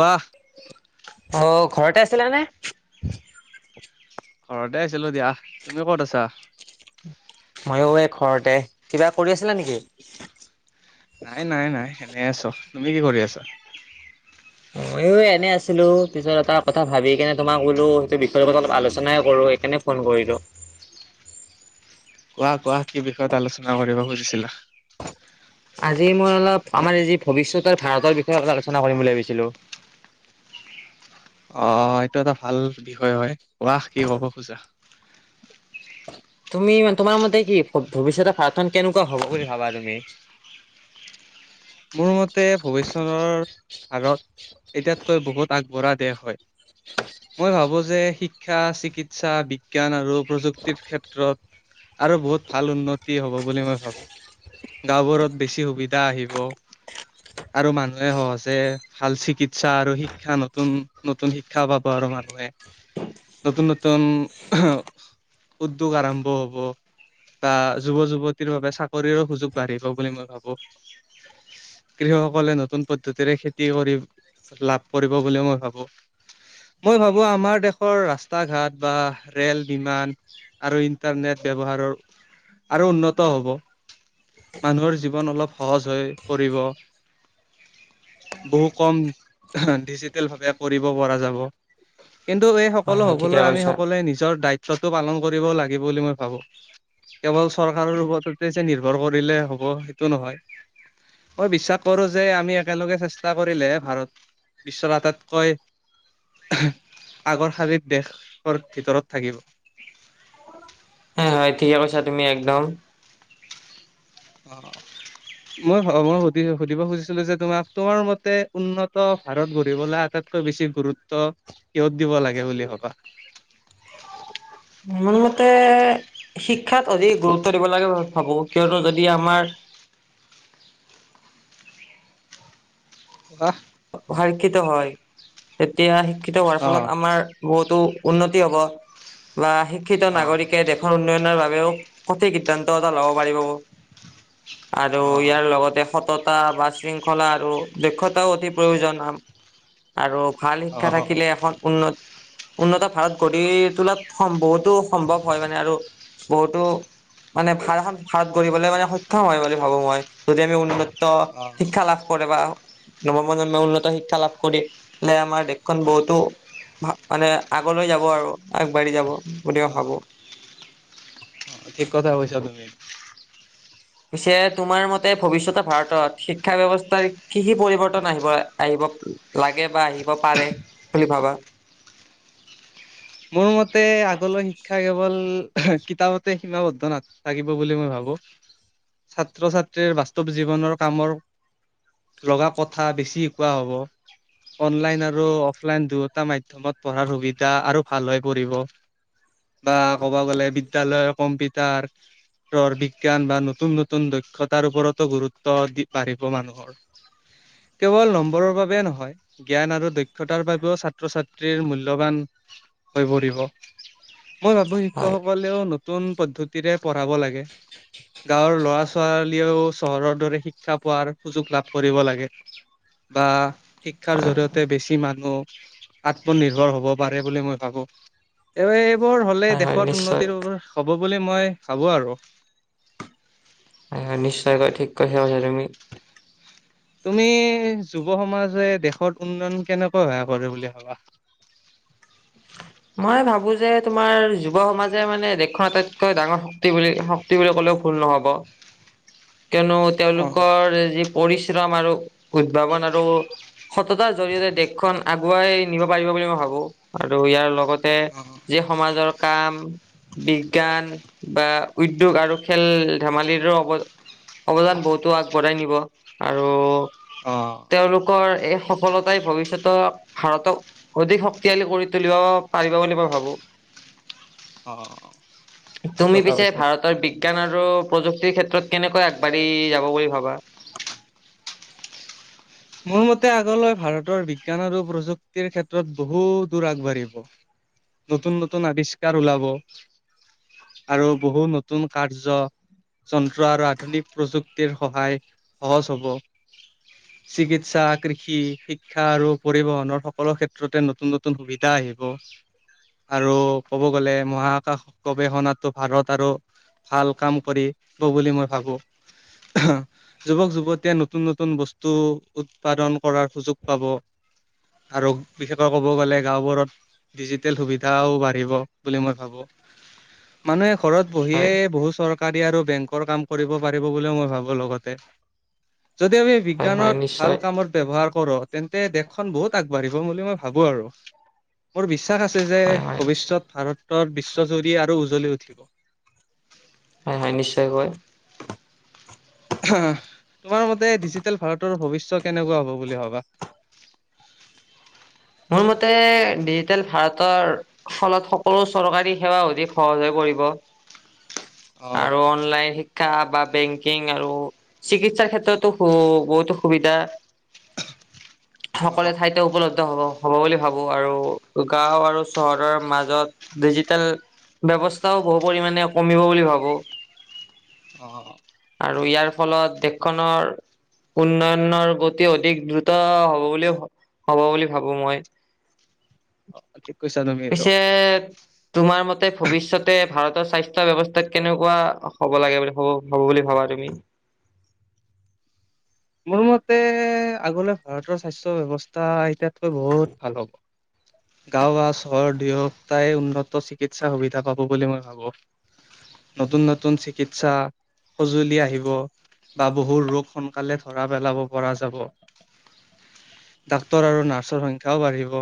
ৱাহ অ' ঘৰতে আছিলা নে ঘৰতে আিছিলো দিয়া তুমি কত আছা ময়ো এই ঘৰতে কিবা কৰি আছিলা নেকি নাই নাই নাই এেনে আছ তুমি কি কৰি আছা ময়ো এনে আছিলো পিছত এটা কথা ভাবি কিনে তোমাক বোলো সেইটো বিষয়ৰ ওপ অলপ আলোচনাই কৰো কেনে ফোন কৰিলোঁ কোৱা কোৱা কি বিষয়ত আলোচনা কৰিব খুজিছিলা আজি মই অলপ আমাৰ এইি ভৱিষ্যতৰ ভাৰতৰ বিষয়ে অল আলোচনা কৰিম বুলি ভাবিছিলো আহ এইটো এটা ভাল বিষয় হয় কৱাহ কি কব খোজা তুমিান তোমাৰ মতে কি ভৱিষ্যতে প্ৰাৰ্থন কেনেকুৱা হব বুলি ভাবা তুমি মোৰ মতে ভৱিষ্যৰৰ আগত এতিয়াতকৈ বহুত আগবঢ়া দেহ হয় মই ভাবো যে শিক্ষা চিকিৎসা বিজ্ঞান আৰু প্ৰযুক্তিৰ ক্ষেত্ৰত আৰু বহুত ভাল উন্নতি হ'ব বুলি মই ভাবো গাঁওবোৰত বেছি সুবিধা আহিব আৰু মানুহে সহজে ভাল চিকিৎসা আৰু শিক্ষা নতুন নতুন শিক্ষাও পাব আৰু মানুহ নতুন নতুন উদ্যোগ আৰম্ভ হ'ব বাঃ যুৱ যুৱতীৰ বাবে চাকৰিৰো সুযোগ বাঢ়িব বুলি মই ভাবো। কৃষকসকলে নতুন পদ্ধতিৰে খেতি কৰি লাভ কৰিব বুলি মই ভাবো। মই ভাবো আমাৰ দেশৰ ৰাস্তা ঘাট বা ৰেল বিমান আৰু ইন্টাৰনেট, ব্যৱহাৰৰ আৰু উন্নত হ'ব মানুহৰ জীৱন অলপ সহজ হয় পৰিব। বহু কম ডিজিটেল ভাৱে কৰিব পৰা যাব। কিন্তু এই হয় সকলো হয় ঠিকে হবলৈ আমি কৈছা। সকলোৱে নিজৰ দায়িত্ব টো পালন কৰিব লাগিব বুলি মই ভাবো। কেৱল চৰকাৰৰ ওপৰততে যে নিৰ্ভৰ কৰিলে হ'ব সেইটো নহয়। মই বিশ্বাস কৰো যে আমি একেলগে চেষ্টা কৰিলে ভাৰত বিশ্বৰ আটাইতকৈ আগৰশাৰীত দেশৰ ভিতৰত থাকিব। হয় হয় ঠিকে কৈছা তুমি একদম। অ্ মই মই সুধি সুধিব খুজিছিলো যে তোমাক তোমাৰ মতে উন্নত ভাৰত গঢ়িবলৈ আটাইতকৈ বেছি গুৰুত্ব কিহত দিব লাগে বুলি ভাবা? মোৰ মতে শিক্ষাত অধিক গুৰুত্ব দিব লাগে ভাবো কিয়নো যদি আমাৰ হাহ্ শিক্ষিত হয় তেতিয়া শিক্ষিত হোৱাৰ ফলত অ'। আমাৰ বহুতো উন্নতি হব বা শিক্ষিত অ', নাগৰিকে দেশৰ উন্নয়নৰ বাবে সঠিক সিদ্ধান্ত এটা ল'ব পাৰিব আৰু অ', ইয়াৰ লগতে সতত বা শৃংখলা আৰু দক্ষতাও অতি প্ৰয়োজন আৰু ভাল শিক্ষা অ', থাকিলে এখন উন্নত উন্নত ভাৰত গঢ়ি তোলাত সম বহুতো সম্ভৱ হয় মানে আৰু বহুতো মানে ভাল এখন ভাৰত গঢ়িবলৈ মানে সক্ষম হয় বুলি ভাবো মই যদি আমি উন্নত অ', শিক্ষা লাভ কৰে বা নৱ- প্ৰজন্ম উন্নত শিক্ষা লাভ কৰিলে আমাৰ দেশখন বহুতো মানে আগলৈ যাব আৰু আগবাঢ়ি যাব গতিকে ভাবো অ ঠিক কথা কৈছা তুমি। পিছে তোমাৰ মতে ভৱিষ্যতে ভাৰতত শিক্ষা ব্যৱস্থাৰ কি কি পৰিৱৰ্তন আহিব আহিব? লাগে বা আহিব পাৰে বুলি ভাবা? মোৰ মতে আগলৈ শিক্ষা কেৱল কিতাপতে সীমাবদ্ধ নাথাকিব বুলি মই ভাবো। ছাত্ৰ ছাত্ৰীৰ বাস্তৱ জীৱনৰ কামৰ লগা কথা বেছি শিকোৱা হব। অনলাইন আৰু অফলাইন দুয়োটা মাধ্যমত পঢ়াৰ সুবিধা আৰু ভাল হৈ পৰিব। বাঃ ক'বা গ'লে বিদ্যালয়ৰ কম্পিউটাৰ বিজ্ঞান বা নতুন নতুন দক্ষতাৰ ওপৰতো গুৰুত্ব দি বাঢ়িব মানুহৰ। কেৱল নম্বৰৰ বাবে নহয় জ্ঞান আৰু দক্ষতাৰ বাবেও ছাত্ৰ ছাত্ৰীৰ মূল্যবান হৈ পৰিব মই ভাবো হয় শিক্ষকসকলেও নতুন পদ্ধতিৰে পঢ়াব লাগে। গাঁৱৰ লৰা- ছোৱালীয়েও চহৰৰ দৰে শিক্ষা পোৱাৰ সুযোগ লাভ কৰিব লাগে। বাঃ শিক্ষাৰ হয় জৰিয়তে বেছি মানুহ আত্মনিৰ্ভৰ হব পাৰে বুলি মই ভাবো এই এইবোৰ হলে হয় হয় দেশত নিশ্চয় উন্নতিৰ হব বুলি মই ভাবো আৰু নিশ্চয়কৈ ঠিক কৈছা কৈছা তুমি। তুমি যুৱ সমাজে দেশত উন্নয়ন কেনেকৈ সহায় কৰে বুলি ভাবা? মই ভাবো যে তোমাৰ যুৱ সমাজে মানে দেশৰ আটাইতকৈ ডাঙৰ শক্তি বুলি শক্তি বুলি ক'লে ভুল নহ'ব কিয়নো অ', তেওঁলোকৰ যি পৰিশ্ৰম আৰু উদ্ভাৱন আৰু সততাৰ জৰিয়তে দেশখন আগুৱাই নিব পাৰিব বুলি মই ভাবো আৰু ইয়াৰ লগত লগতে যি সমাজৰ কাম বিজ্ঞান বা উদ্যোগ আৰু খেল ধেমালিৰো অ অৱজান বহুতো আগবঢ়াই নিব আৰু অ', তেওঁলোকৰ এ সফলতাই ভৱিষ্যতক ভাৰতক অধিক শক্তিশালী কৰি তুলিব পাৰিব বুলি মই ভাবো অ' ঠিক তুমি কথা পিছে কৈছা। ভাৰতৰ বি শান আৰু প্ৰযুক্তিৰ ক্ষেত্ৰত কেনেকৈ আগবাঢ়ি যাব বুলি ভাবা মোৰ মতে আগলৈ ভাৰতৰ বিজ্ঞান আৰু প্ৰযুক্তিৰ ক্ষেত্ৰত বহু দূৰ আগবাঢ়িব নতুন নতুন আৱিষ্কাৰ ওলাব আৰু বহু নতুন কাৰ্য্য যন্ত্ৰ আৰু আধুনিক প্ৰযুক্তিৰ সহায় সহজ হ'ব চিকিৎসা কৃষি শিক্ষা আৰু পৰিবহনৰ সকলো ক্ষেত্ৰতে নতুন নতুন সুবিধা আহিব হয় আৰু কব গ'লে মহাকশ গৱেষণাতো ভাৰত আৰু ভাল কাম কৰিব বুলি মই ভাবো অ যুৱক যুৱতীয়ে নতুন নতুন বস্তু টো উৎপাদন কৰাৰ সুযোগ পাব আৰু বিশেষকৈ ক'ব গ'লে গাঁওবোৰত ডিজিটেল সুবিধাও বাঢ়িব বুলি মই ভাবো মানুহে ঘৰত বহিয়ে হয়, বহুত চৰকাৰী আৰু বেংকৰ কাম কৰিব পাৰিব বুলিও মই ভাবো লগতে। যদি আমি হয়, হয়, বিজ্ঞানত ভাল নিশ্চয়। কামত ব্যৱহাৰ কৰে কৰ তেন্তে দেশখন বহুত আগবাঢ়িব বুলি মই ভাবো আৰু মোৰ বিশ্বাস বিশ্বাস আছে যে হয়, হয়, ভৱিষ্যত ভাৰতৰ বিশ্বজুৰি আৰু উজ্বলি উঠিব হয় হয় নিশ্চয় কয় অ', তোমাৰ মতে ডিজিটেল ভাৰত ত ভৱিষ্যয় কেনেকুৱা হ'ব বুলি ভবা? মোৰ মতে ডিজিটেল ভাৰতৰ ফলত সকলো চৰকাৰী সেৱা অধিক সহজ হৈ অ', আৰু অনলাইন শিক্ষা বা বেংকিং আৰু চিকিৎসাৰ ক্ষেত্ৰতো বহুতো সুবিধা সকলে অ', ঠাইতে উপলব্ধ হ'ব। হ'ব বুলি ভাবো আৰু গাওঁ আৰু চহৰৰ মাজত ডিজিটেল ব্যৱস্থাও বহু পৰিমামানে কমিব বুলি ভাবোঁ। অ' আৰু ইয়াৰ ফলত দেশখনৰ উন্নয়নৰ গতি অধিক দ্ৰুত হ'ব বুলি হ'ব বুলি ভাবো মই। অ', ঠিক কৈছা তুমি এইটো। পিছে তোমাৰ মতে? ভৱিষ্যতে ভাৰতৰ স্বাস্থ্য ব্যৱস্থাত কেনেকুৱা হ'ব লাগে বুলি হ হ'ব বুলি ভাবা তুমি? [inaudible] মোৰ মতে আগলৈ ভাৰতৰ স্বাস্থ্য ব্যৱস্থা এতিয়াতকৈ বহুত ভাল হ'ব। হয়। গাঁও বা চহৰৰ দুয়োটাই উন্নত চিকিৎসা সুবিধা পাব বুলি মই ভাবোঁ। নতুন নতুন চিকিৎসা সঁজুলি আহিব বা বহু ৰোগ স কালে ধৰা পেলাব পৰা যাব। ডাক্তৰ আৰু নাৰ্চৰ সংখ্যাও বাঢ়িব।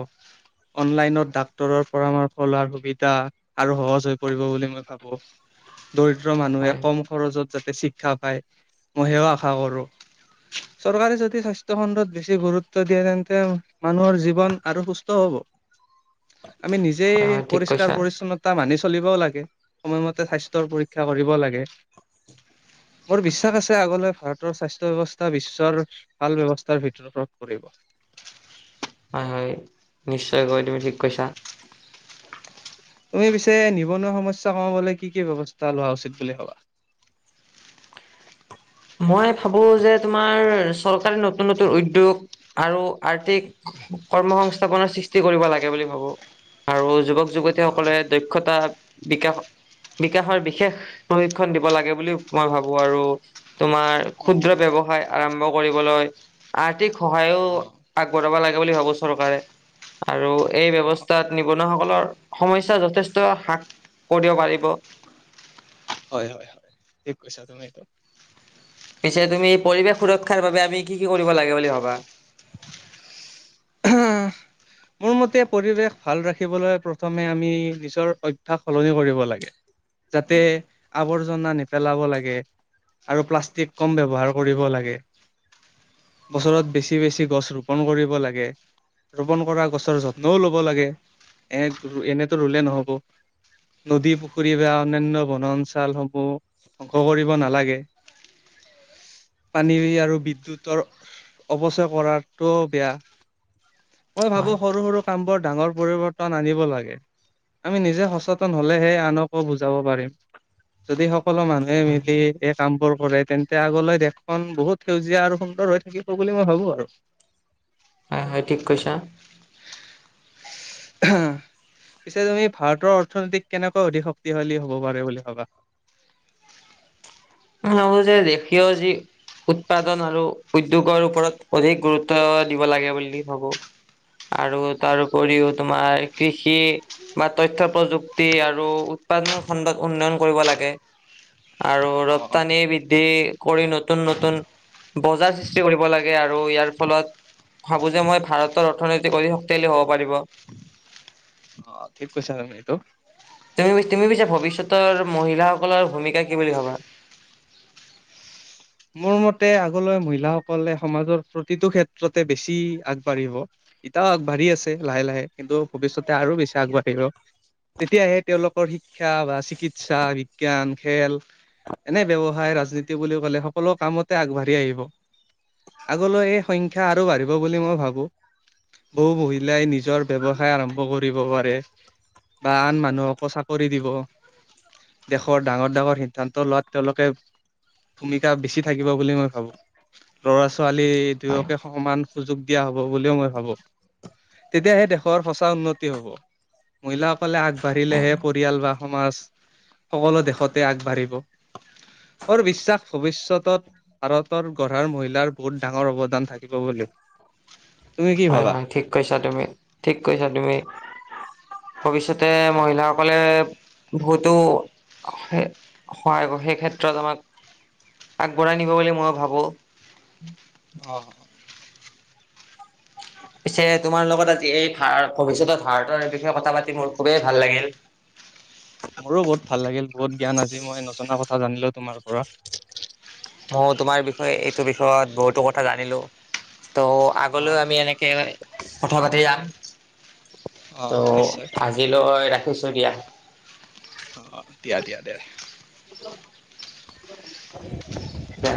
অনলাইনত ডাক্তৰৰ পৰামৰ্শ লোৱাৰ সুবিধা আৰু সহজ হৈ পৰিব বুলি মই ভাবো। দৰিদ্ৰ হয় মানুহে হয় কম খৰচত যাতে শিক্ষা পায় মই সেও আশা কৰো। [inaudible] চৰকাৰে যদি স্বাস্থ্য খণ্ডত বেছি গুৰুত্ব দিয়ে তেন্তে মানুহৰ জীৱন আৰু সুস্থ হ'ব। [inaudible] আমি নিজেই হয় হয় ঠিক পৰিষ্কাৰ কৈছা পৰিচ্ছন্নতা মানিছো। চলিবও লাগে সময়মতে স্বাস্থ্যৰ পৰীক্ষা কৰিব লাগে। বৰ বিশ্বাস আছে আগলৈ ভাৰতৰ স্বাস্থ্য ব্যৱস্থা বিশ্বৰ ভাল ব্যৱস্থাৰ ভিতৰত পৰিব। হয় হয় নিশ্চয়কৈ তুমি ঠিক কৈছা। তুমি পিছে নিবনুৱা সমস্যা কমাবলৈ কি কি ব্যৱস্থা লোৱা উচিত বুলি ভবা। [inaudible] মই ভাবো যে তোমাৰ চৰকাৰে নতুন নতুন উদ্যোগ আৰু আৰ্থিক কৰ্ম সংস্থাপনৰ সৃষ্টি কৰিব লাগে বুলি ভাবো। আৰু যুৱক যুৱতী সকলে দক্ষতা বিকাশ বিকাশৰ বিশেষ প্ৰশিক্ষণ দিব লাগে বুলি মই ভাবো আৰু। তোমাৰ ক্ষুদ্ৰ ব্যৱসায় আৰম্ভ কৰিবলৈ আৰ্থিক সহায়ও অ', আগবঢ়াব লাগে বুলি ভাবো চৰকাৰে আৰু এই অ', ব্যৱস্থাত নিবনুৱাসকলৰ সমস্যা যথেষ্ট হ্ৰাস কৰিব পাৰিব। হয় হয় হয় ঠিক কৈছা তুমি এইটো। পিছে তুমি পৰিৱেশ সুৰক্ষাৰ বাবে আমি কি কি কৰিব লাগে বুলি ভবা? আহ। মোৰ মতে পৰিৱেশ ভাল ৰাখিবলৈ প্ৰথমে আমি নিজৰ অভ্যাস সলনি কৰিব লাগে। যাতে আৱৰ্জনা নেপেলাব লাগে। আৰু প্লাষ্টিক কম ব্যৱহাৰ কৰিব লাগে। বছৰত বেছি বেছি গছ ৰোপন কৰিব লাগে ৰোপন কৰা গছ। ৰ যত্নও ল'ব লাগে এ এনেতো ৰুলে নহ'ব। নদী পুখুৰী বা অনান্য বনা অঞ্চলসমূহ ধ্বংস কৰিব নালাগে। হয়। পানী আৰু বিদ্য়ুতৰ অৱচয় কৰাটো বেয়া মই ভাবো হয়। সৰু সৰু কামবোৰ ডাঙৰ পৰিৱৰ্তন আনিব লাগে আমি নিজে সচেতন হলেহে আনকো বুজাব পাৰিম যদি সকলো মানুহে মিলি এই কাম বোৰ কৰে তেন্তে আগলৈ দেশখন বহুত সেউজীয়া আৰু সুন্দৰ হৈ থাকিব বুলি মই ভাবো আৰু হয় হয় ঠিক কছা হা পিছে তুমি ভাৰতৰ অৰ্থনীতিক কেনেকৈ অধিক শক্তিশালী হ'ব পাৰে বুলি ভাবা নহো যে দেখি আ যি উৎপাদন আৰু উদ্্যোগৰ ওপৰত অধিক গুৰুত্ব দিব লাগে বুলি ভাবো আৰু তাৰপৰিও তোমাৰ কৃষি বা তথ্্য প্ৰযুক্তি আৰু উৎপাদন খণ্ডত উন্নয়ন কৰিব লাগে আৰু অ ৰপ্তানি বৃদ্ধি কৰি নতুন নতুন বজাৰ সৃষ্টি কৰিব লাগে আৰু ইয়াৰ ফলত ভাবোঁ যে মই ভাৰতৰ অৰ্থনীতি অতি শক্তিশালী হ'ব পাৰিব অ ঠিক কৈছাল ন তো তুমি তুমি বুছা ভৱিষ্যতৰ মহিলাসকলৰ ভূমিকা কি বুলি ভাবা মোৰ মতে আগলৈ মহিলাসকলে সমাজৰ প্ৰতিটো ক্ষেত্ৰতে বেছি আগবাঢ়িব এ আগবাঢ়ি আছে লাহে লাহে কিন্তু ভৱিষ্যতে আৰু বেছি আগবাঢ়িব তেতিয়াহে তেওঁলোকৰ শিক্ষা বা চিকিৎসা বিজ্ঞান খেল এনে ব্য্ৱসায় ৰাজনীতি বুলি কলে সকলো কামতে আগবাঢ়ি আহিব আগলৈ এই সংখ্যা আৰু বাঢ়িব বুলি মই ভাবো। বহু মহিলাই নিজৰ ব্যৱসায় আৰম্ভ কৰিব পাৰে। বা আন মানুহকো চাকৰি দিব। দেশৰ ডাঙৰ ডাঙৰ সিদ্ধান্ত লোৱাত তেওঁলোকে ভূমি। কা বেছি থাকিব বুলি মই ভাবোঁ। ল'ৰা ছোৱালী দুয়োকে সমান। সুযোগ দিয়া হ'ব বুলিও মই ভাবো। তেতিয়াহে দেশৰ সঁচা উন্নতি হ'ব, মহিলাসকলে আগবাঢ়িলেহে হয় পৰিয়াল বা। সমাজ, সকলো দেশতে আগবাঢ়িব। মোৰ বিশ্বাস। ভৱিষ্যতত, ভাৰতৰ গঢ়াৰ মহিলাৰ বহুত ডাঙৰ অৱদান থাকিব বুলি। তুমি কি হয়', ভাবা হয়' ঠিক কৈছা তুমি, ঠিক কৈছা তুমি। ভৱিষ্যতে, মহিলাসকলে। বহুতো, সহায় কৰে সেই ক্ষেত্ৰত আমাক। আগবঢ়াই নিব বুলি মইও ভাবো। অহ'। [unintelligible] পিছে তোমাৰ লগত আজি এই ভাৰ ভৱিষ্যতৰ ভাৰতৰ বিষয়ে কথা পাতি মোৰ খুবেই ভাল লাগিল। [unintelligible] মোৰো বহুত ভাল লাগিল বহুত জ্ঞান আজি মই নজনা কথা জানিলো, তোমাৰ পৰা। মইও তোমাৰ বিষয়ে, এইটো বিষয়ত বহুতো কথা জানিলো। ত' অ আগলৈ আমি এনেকে, কথা পাতি যাম। অ ত' নিশ্চয় আজিলৈ ৰাখিছো দিয়া। অহ', দিয়া', দিয়া', দিয়া'। দে।